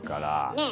ねえ。